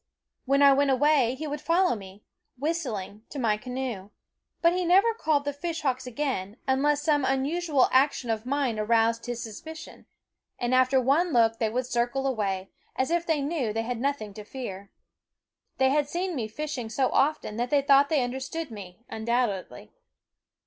When I went away he would follow me, whistling, to my canoe ; but he never called the fishhawks again, unless some unusual action of mine aroused his suspicion; and after one look they would circle away, as if they knew they had nothing to fear. They had seen me fishing so often that they thought they understood me, undoubtedly.